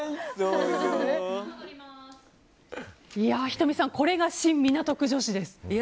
仁美さんこれがシン・港区女子です。